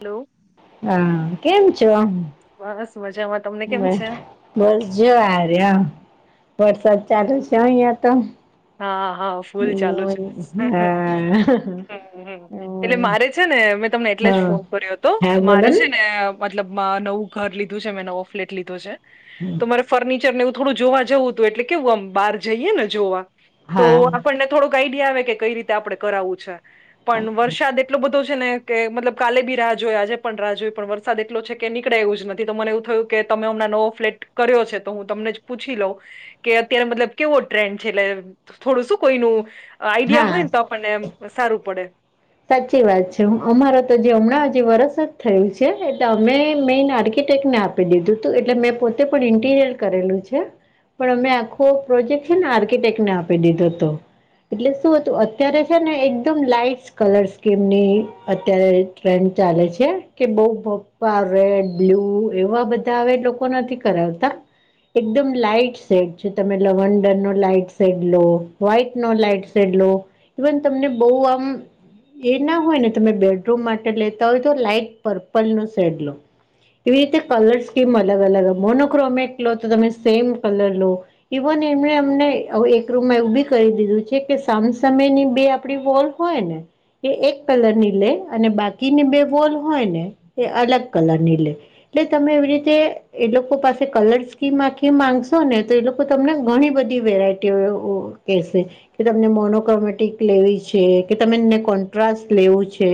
Hello. હા કેમ છો. બસ મજામાંત. હ બસ જો ર વોટ્સઅપ ચાલુ છે અહિયાં તો. હા હા. ફૂલ ચાલુ છે હા એટલે મારે છે ને મેં તમને એટલે જ હા ફોન. કર્યો તો હા બોલો મારે છે ને. મતલબ નવું ઘર લીધું છે મેં નવો ફ્લેટ લીધો છે તોરે. ફર્નિચર ને એવું થોડું જોવા જવું હતું એટલે કેવું આમ બહાર જઈએ ને જોવા તો હા આપણને થોડોક. આડ આવે કે કઈ રીતે આપડણે કરાવવું છે પણ વરસાદ એટલો બધો. ને કે મતલબ કાલે બી રાહ જોઈએ આજે પણ રાહ જોએ પણ વરસાદ એટલો છે કે નીકળે એવું નથી તો મને એવું થયું કે. તમે હમણા નવો ફ્લેટ કર્યો છે તો હું તમને જ પૂછી લઉં. કે અત્યારે મતલબ કેવો ટ્રેન્ડ છે એટલે. થોડું શું કોઈ ન આઈડિયા હોય હા ને તો આપણને સારું પડે. સાચી વાત છે હું અમારા તો જે હમણાં હજી વરસ જ થયું છે એટલે અમે મેન આર્કિટેક્ટ ને આપ. આપ દીધું હતું એટલે મેં પોતે પણ ઇન્ટીરિયર કરેલું છે. પણ અમે આખો પ્રોજેક્ટ છે ને આર્કિટેક્ટને આપી દીધો હતો. એટલે શું હતું અત્યારે છે ને એકદમ લાઈટ. કલર સ્કીમ ની અત્યારે ટ્રેન્ડ ચાલે છે કે બહ. રેડ બ્લુ એવા બધા હવે લોકો નથી કરાવતા. એકદમ લાાઈટ સેટ છે તમે લવંડર નો લાાઈટ સેટ લો વ્હાઈટ નો લાઈટ. ઇવન તમને બહ આમ. એ ના હોય ને તમે બેડરૂમ માટે લેતા હોય તો લાઈટ પર્પલ નો શેડ લો. એવી રીતે કલર્સ કેમ અલગ અલગ મોનોક્રોમેટ લો તો તમે સેમ કલર લો. ઇવન એમને અમને એક રૂમમાં એવું બી કરી દીધું છે કે સામ સમમે ની બે આપડી વોલ. હોને. એ એક કલરની લે અને બાકીની બે વોલ હોયને એ અલગ કલરની લે. એટલે તમે એવી રીતે એ લોકો પાસે કલર સ્કીમ‌આખી માંગશો ને તોએ લોકો તમને ઘણી બધી વેરાયટીઓ.. કેસે કે તમને મોનોકમેટિક લેવી છે કે તમેને કોન્ટ્રાસ લેવું છે?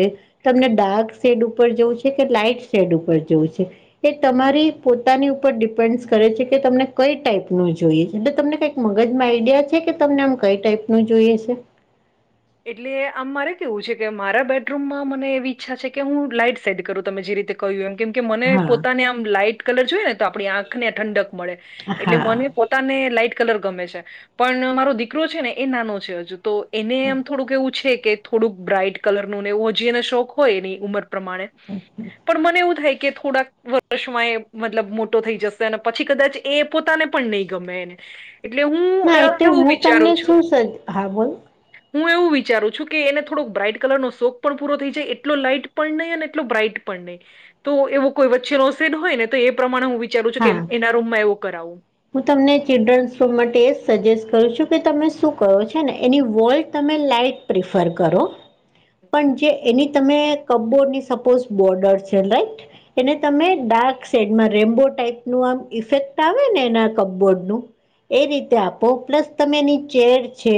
તમને ડાર્ક શેડ ઉપર જોવું છે કે લાઈટ શેડ ઉપર જોવું છે? એ તમારી પોતાની ઉપર ડિપેન્ડસ કરે છે કે તમને કઈ ટાઈપનું જોઈએ છે એટલે તમને કઈ મગજમાં આઈડિયા છે કે તમને આમ કઈ ટાઈપનું જોઈએ છે? એટલે આમ મારે કેવું છે કે મારા બેડરૂમમાં મને એવી ઈચ્છા છે કે, હું લાઈટ શેડ કરું તમે જે રીતે કહ્યું એમ. કેમ કે, મને હા પોતાને આમ લાઈટ કલર જોએ ને તો આપણી આંખને ઠંડક મળે એટલે હા મને પોતાને લાઈટ કલર ગમે છે, પણ મારો દીકરો છેને એ નાનો છે હજુ તો એને થોડુંક એવું છે કે થોડુંક બ્રાાઈટ કલરનું નેએવું હજી એને શોખ હોય એની ઉંમર પ્રમાણે પણ મને એવું થાય કે થોડાંક વ વર્ષમાં એ મતલબ મોટો થઈ જશે અને પછી કદાચ એ પોતાને પણ નહીં ગમે એને એટલે હું ના અ એટલે એવું હું તમને વિચારું છું શું સજ્ હા બોલ હું એવું વિચારું છું કે, એને થોડોક બ્રાાઈટ કલરનો શોક પણ પૂરો થઈ જાય એટલો લાઈટ પણ નહીં અને એટલો બ્રાઈટ પણ નહીં. તો એવો કોઈ વચ્ચેનોશેડ હોયને તો એ પ્રમાણે હું વિચારું છું કે હા એના રૂમમાં એવો કરાવું. હું તમને ચિલ્ડ્રનસ શો માટે એ સજેસ્ટ કરું છું કે તમે શું કરો છેને એની વોલ તમે લાાઈટ પ્રિફર કરો પણ જે એની તમે કબોર્ડની સપોઝ બોર્ડર છે રાઈટ એને તમે ડાર્ક સેડમાં રેમ્બોટ ટાઇપનુ આમ ઇફેક્ટ આવેને એના કપબોર્ડનું એ રીતે આપો. પ્લસ તમે એની ચેર છે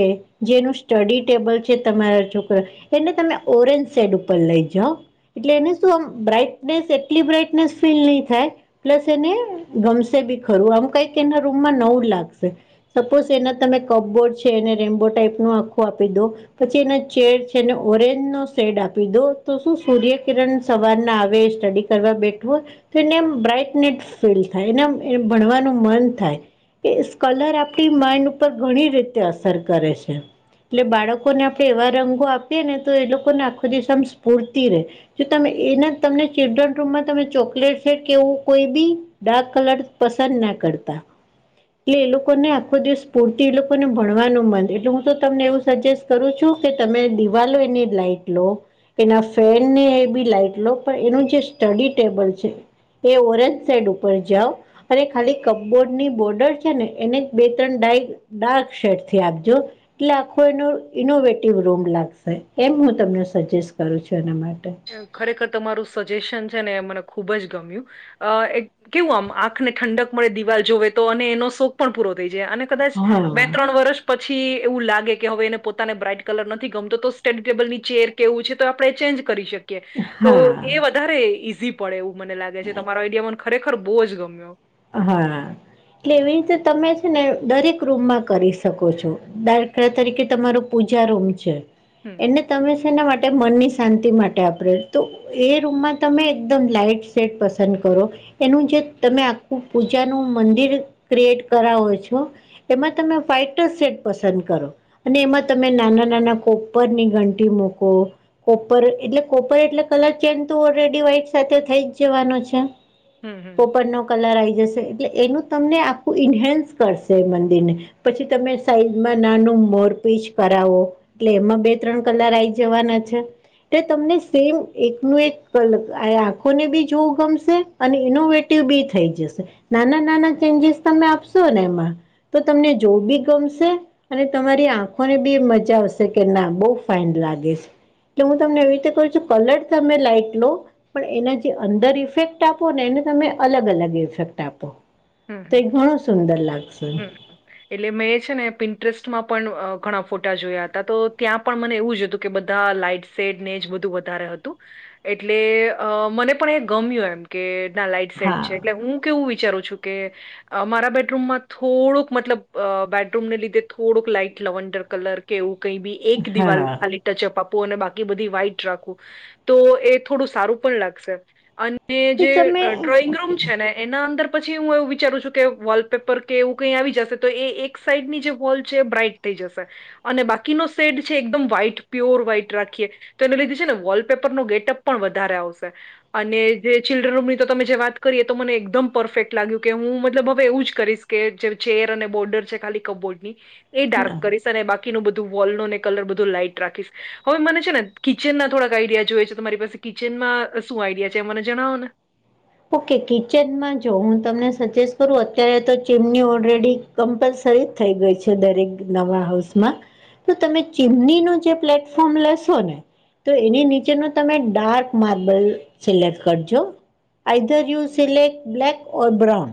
જેનું સ્ટડી ટેબલ છે તમારા છોકરો એને તમે ઓરેન્જ સેડ ઉપર લઈ જાઓ એટલે એને શું આમ બ્રાાઈટનેસ એટલી બ્રાાઈટનેસ ફીલ નહી થાય [unintelligible] ને ગમશે બી ખરું આમ કઈ કે એના રૂમમાં નવું લાગશે. સપોઝ એના તમે કબ્બોર્ડ છે એને રેમ્બો ટાઈપનું આખું આપી દો પછી એનો ચેડ છે એને ઓરેન્જનો શેડ આપી દો તો શું સૂર્યકિરણ સવારના આવે સ્ટડી કરવા બેઠવુ હોય તો એને આમ બ્રાઈટનેટ ફીલ થાય એનેમ ભણવાનું મન થાય કે સ્ કલર આપણી માઇન્ડ ઉપર ઘણી રીતે અસર કરે છે. એટલે બાળકોને આપણે એવા રંગો આપીએ ને તો એ લોકોને આખો દિવસ ‌આમ સ્ફૂર્તિ રહેે. જો તમે એના તમને ચિલ્ડ્રન રૂમમાં તમે ચોકલેટ સે કે એવું કોઈ ભી ડાર્ક કલર પસંદ ના કરતા. એટલે એ લોકોને આખો દિવસ સ્ફુર્તિ એ લોકોને ભણવાનું મન એટલે હું તો તમને એવું સજેસ્ટ કરું છું કે તમે દિવાલો એની લાઈટ લો એના ફેનને એબી લાઈટ લો પણ એનું જે સ્ટડી ટેબલ છે એ ઓરેન્જ શેડ ઉપર જાઓ અરે ખાલી કપબોર્ડની બોર્ડર છે ને એને બે ત્રણ ડાઇટ ડાર્ક શેડથી આપજો એટલે આખો એનો ઇનોવેટિવ રૂમ લાગશે. એમ હું તમને સજેસ્ટ કરું છું એના માટે. ખરેખર તમારું સજેશન છેને એ મને ખુબ જ ગમ્યું. અ એક કેવું આમ આંખને ઠંડક મળે દિવાલ જોવે તો અને એનો શો પણ પૂરો થઈ જાય અને કદાચ હા બે-ત્રણ વર્ષ પછી એવું લાગે કે હવે એને પોતાને બ્રાાઈટ કલર નથી ગમતો તો સ્ટડી ટેબલની ચેર કેએવું છે તો આપણે ચેન્જ કરી શકીએ તો હા એ વધારે ઈઝી પડે એવું મને લાગે છે તમારા આઈડિયા મને ખુબ જ ખરેખર બોવ જ ગમ્યો હા એટલે એવી રીતે તમે છેને દરેક રૂમમાં કરી શકો છો. દાખલા તરીકે તમારું પૂજા રૂમ છે [inaudible] અને તમે શેના માટે મનની શાંતિ માટે આપણે તો એ રૂમમાં તમે એકદમ લાાઈટ સેટ પસંદ કરો એનું જે તમે પૂજા નું મંદિર ક્રિએટ કરાવાવો છો એમાં તમે ફાઈટર સેટ પસંદ કરો અને એમાં તમે નાના નાના કોપરની ઘંટી મૂકો કોપર એટલે કોપર એટલે કલર ચેજ તો ઓલરેડી વ્હાઈટ સાથે થઈ જ જવાનો છે હમ હમ પોપરનોો કલર આવી જશે એટલે એનું તમને આખું ઇન્હન્સ કરશે મંદિર ને પછી તમે સાઈઝમાં નાનું મોર પીચ કરાવો એટલે એમાં બે ત્રણ કલાક આવી જવાના છે તે તમને સેમ એક ન એક કલ આંખોને બી જોવું ગમશે અને ઇનોવેટિવ બી થઈ જશે નાના નાના ચેન્જીસ તમે આપશોને એમાં તો તમને જો બી ગમશે અને તમારી આંખોને બી મજા આવશે કે ના બહુ ફાાઈન લાગે એટલે હું તમને એવી રીતે કહ છું કલર તમે લાાઈટ લો પણ એના જે અંદર ઇફેક્ટ આપો ને એને તમે અલગ અલગ ેક્ટ આપો હમ તો એ હમ. ઘણો સુંદર લાગશે. હમ. એટલે મેં છે. ને પિન્ટરેસ્ટમાં પણ ઘણા ફોટા જોયા હતા તો ત્યાં પણ મને એવું જ હતું કે બધા લાાઈટ્સ સેડ ને જ બધું વધારે હતું. એટલે અ મને પણ એ ગમ્યું એમ કે ના લાઈટ સેટ હા છે. એટલે હું કેવું વિચારું છું કે, મારા બેડરૂમમાં થોડુંક મતલબ બેડરૂમને લીધે થોડુંક લાઈટ લવન્ડર કલર કે એવું કઈ બી એક દિવાલ હા ખાલી ટચઅપ આપવું અને બાકી બધી વાઈટ રાખવું તો એ થોડું સારું પણ લાગશે અને ને એ જે તમે ડ્રોઈંગ રૂમ છે ને એના અંદર પછી પછ હું એવું વિચારું છું, કે વોલપેપર કે એવું કઈ આવી જશે તો એ એક સાઈડની જે હોલ છે એ બ્રાઈટ થઈ જશે. અને બાકીનો શેડ છે એકદમ વ્હાઈટ પ્યોર વ્હાઈટ રાખીએ તો એને લીધે છે ને વોલપેપર નો ગેટઅપ પણ વધારે આવશે અને જે ચિલ્ડ્રન રૂમ ની તો તમે જે વાત કરીએ તો મને એકદમ પરફેક્ટ લાગ્યું કે હું મતલબ હવે એવું જ કરીશ કે જે ચેર અને બોર્ડર છે ખાલી કપબોર્ડ ની એ ડારક હા કરી બાકીનું બધું વોલ ન ને કલર બધું લાઈટ રાખીશ હવે મને છે ને કિચન ના થોડાક આઈડિયા જોઈ છે તમારી પાસે કિચનમાં શું આઈડિયા છે મને જણાવો ને ઓકે કિચનમાં જો હું તમને સજેસ્ટ કરું અત્યારે તો ચીમની ઓલરેડી કમ્પલસરી થઈ ગઈ છે દરેક નવા હાઉસમાં તો તમે ચીમની નું જે પ્લેટફોર્મ લેશો ને તો એની નીચેનો તમે ડાર્ક માર્બલ સિલેક્ટ કરજો either you select black or brown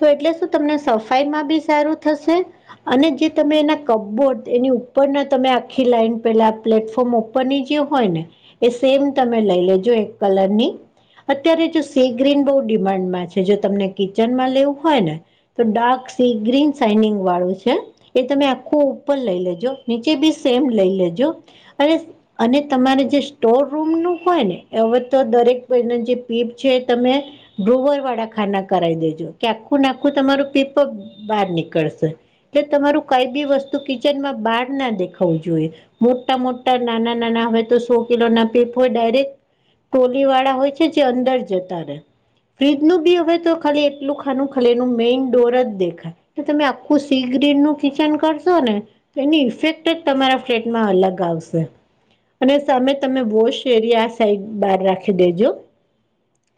તો એટલે શું તમને સફાઈમાં બી સારું થશે અને જે તમે એના કપબોર્ડ એની ઉપરના તમે આખી લાઈઇન પેલા પ્લેટફોર્મ ની જે હોય ને એ સેમ તમે લઈ લેજો એક કલરની અત્યારે જો સી ગ્રીન બહુ ડિમાન્ડમાં છે જો તમને કિચનમાં લેવું હોય ને તો ડાર્ક સી ગ્રીન સાઇનિંગ વાળું છે એ તમે આખો ઉપર લઈ લેજો નીચે બી સેમ લઈ લેજો અને અને તમારે જે સ્ટોર રૂમ નું હોય ને હવે તો દરેક જે પીપ છે તમે ડોવર વાળા ખાના કરાવી દેજો કે આખું નાખું તમારું પીપ બહાર નીકળશે એટલે તમારું કઈ બી વસ્તુ કિચનમાં બહાર ના દેખાવવું જોઈએ મોટા મોટા નાના નાના હવે તો સો કિલો ના પેપ હોય ડાયરેક્ટ ટોલી વાળા હોય છે જે અંદર જતા રહે ફ્રીજનુંું બી હવે તો ખાલી એટલું આખાનું ખાલેનુંું મેઈન ડોર જ દેખાય તો તમે આખું સીગ્રીન નું કિચન કરશો ને તો એની ઇફેક્ટ જ તમારા પેટમાં અલગ આવશે અને સામે તમે વોશ એરિયા સાઈડ બહાર રાખી દેજો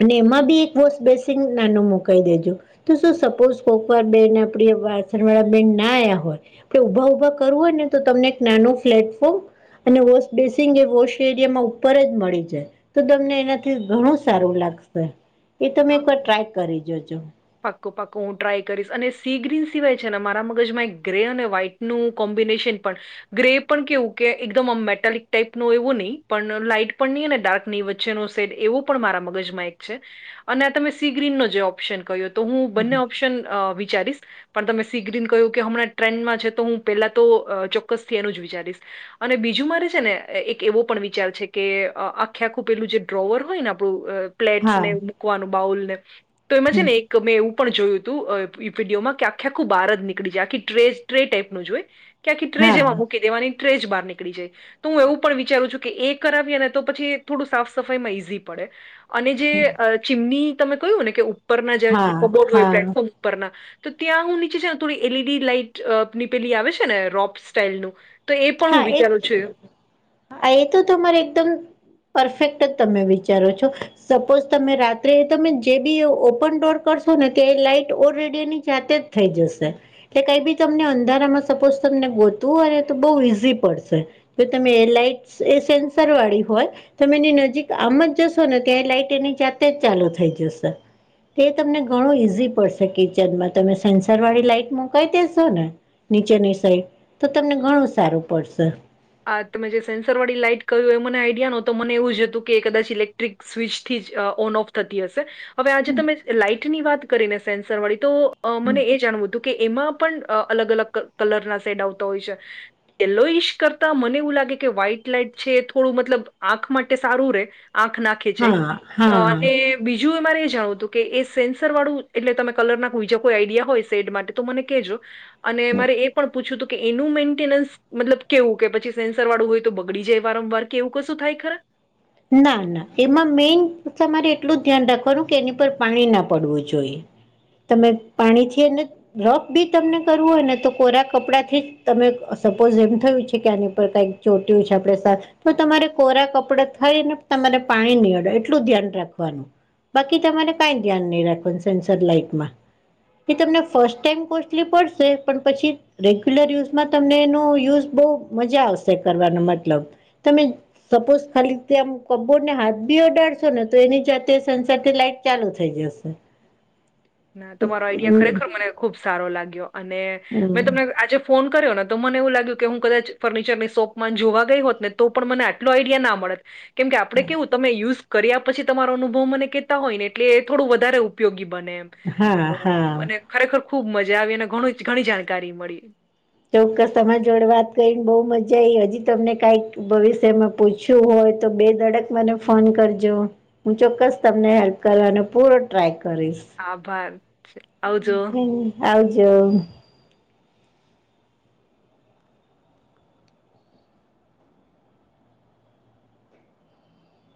અને એમાં બી એક વોસ બેસંગ નાનું મુકાઈ દેજો તો શ સપોઝ કો બેન આપડી વાસણ વાળા બેન ના આવ્યા હોય આપ ઉભા ઉઊભા કરવું હોય ને તો તમને એક નાનું પ્લેટફોર્મ અને વોશ બેસિંગ એ વોશ એરિયામાં ઉપર જ મળી જાય તો તમને એનાથી ઘણું સારું લાગશે એ તમે એકવાર ટ્રાય કરી જાજો પાક્કો પાક્કો હું ટ્રાય કરીશ અને સી ગ્રીન સિવાય છે ને મારા મગજમાં એક ગ્રે અને વ્હાઈટ નું કોમ્બિનેશન પણ ગ્રે પણ કેવું કે એકદમ મેટાિક ટાાઈપ ન એવો નહીં પણ લાાઈટ પણ નહીં ને ડાર્ક ની વચ્ચેનો સેટ એવું પણ મારા મગજમાં એક છે અને આ તમે સી ગ્રીનનો જે ઓપ્શન કહ્યો તો હું બંને ઓપ્શન વિચારીશ પણ તમે સી ગ્રીન કહ્યું કે હમણાં ટ્રેન્ડમાં છે તો હું પેલા તો ચોક્કસથી એનું જ વિચારીશ અને બીજું મારે છે ને એક એવો પણ વિચાર છે કે આખે આખું પેલું જે ડ્રોવર હોય ને આપણું હા પ્લેટ્સને મૂકવાનું બાઉલ ને તો એમાં છે હા ને એક મેં એવું પણ જોયું હતું વિડીયોમાં કે આખ આખું બહાર જ નીકળી જાય આખી ટ્રે ટ્રે ટાઈપ નું જોય ક્યાંકી ટ્રેજ એવા હા મૂકી દેવાની ટ્રે જ બહાર નીકળી જાય તો હું એવું પણ વિચારું છું કે એ કરાવીએ ને તો પછી થોડું સાફ સફાઈમાં ઈઝી પડે અને જે ચીમની તમે કહ્યું ને કે ઉપરના જે હા કબોટ હોય હા પ્લેટફોર્મ ઉપરના તો ત્યાં હું નીચે છે ને થોડી એલઈડી લાાઈટ નીપેલી આવે છે ને રોપ્સ સ્ટાઈલનુંું હા એક એ તો તમારે એકદમ પરફેક્ટ તમે વિચારો છો સપોઝ તમે રાત્રે તમે જે બી ઓપન ડોર કરશો ને તે લાઈટ ઓર રેડયની જાતે થઈ જશે એટલે કઈ બી તમને અંધારામાં સપોઝ તમને ગોતું હોયને તો બ પડશે જો તમે એ લઇટ એ સેન્સર વાળી હોય તમે એની નજીક આમ જ જશો ને ત્યાં લાઈટ એની જાતે જ ચાલુ થઈ જશે તે તમને ઘણું ઈઝી પડશે કિચનમાં તમે સેન્સર વાળી લાઈટ મોકઈ દેશો ને નીચેની સઈ તો તમને ઘણું સારું પડશે આ તમે જે સેન્સર વાળી લાઈઇટ કર્યું એ મને આઈડિયા નતો મને એવું જ હતું કે કદાચ ઇલેક્ટ્રિક સ્વિચ થી જ ઓન ઓફ થતી હશે હવે આજે તમે લાાઈટ ની વાત કરીને સેન્સર વાળી તો મને એ જાણવું હતું કે એમાં પણ અલગ અલગ કલર ના સેડ આવતા હોય છે લોશ કરતા મને એવું લાગે કે્ાઈટ લાાઈટ છે થોડું મતલબ આંખ માટે સારું રે આંખ નાખ રાખે હા છે હા અને બીજું એ મારે એ જાણવું હતું કે એ સેન્સર વાળું એટલે તમે કલર ના બીજા કોઈ આઈડિયા હોય સેડ માટે મને કજો અને મારે એ પણ પૂછ્યું હતું કે એનું મેન્ટેનન્સ મતલબ કેવું કે પછી સેન્સર વાળું હોય તો બગડી જાય વારંવાર કે એવું કશું થાય ખરા ના ના એમાં મેઈન તમારે એટલું જ ધ્યાન રાખવાનું કે એની પર પાણી ના પડવું જોઈએ તમે પાણી છ ને રફ બી તમને કરવું હોય ને તો કોરા કપડા થી જ તમે સપોઝ એમ થયું છે કે આની પર કઈક ચોટ્યું છે આપડે સર તો તમારે કોરા કપડા ખરીને તમારે પાણી નહી અડે એટલું ધ્યાન રાખવાનું બાકી તમારે કઈ ધ્યાન નહી રાખવા સેન્સર લાઈટ માં કે તમને ફસ્ટ ટાઈમ કોસ્ટલી પડશે પણ પછી રેગ્યુલર યુઝમાં તમને એનો યુઝ બહ મજા આવશે કરવાનો મતલબ તમે સપોઝ ખાલી કબૂરને હાથ બીઓ ડળશો ને તો એની જાતે સંસારથી લાઈટ ચાલુ થઈ જશે ના તમારો આઈડિયા ખરેખર હમ મને ખુબ સારો લાગ્યો અને મેં તમને આજે ફોન કર્યો ને તો મને એવું લાગ્યું કે હું કદાચ ફર્નિચરની શોપ માં જોવા ગઈ હોત ને તો પણ મને આઈડિયા ના મળત કેમ કે આપડણે કેવું તમે યુઝ કર્યા પછી તમારો અનુભવ મને કેહેતા હોય ને એટલે એ થોડું વધારે ઉપયોગી બને એમ હા તો હા મને ખરેખર ખુબ મજા આવી અને ઘણી જાણકારી મળી ચોક્કસ તમારી જોડે વાત કરીને બહુ મજા આઈ હજી તમને કાઈક ભવિષ્યમાં પૂછ્યું હોય તો બે દડક મને ફોન કરજો. હું ચોક્કસ તમને હેલ્પ કરવાનો અને પૂરો ટ્રાય કરીશ આભાર આવજો આવ જો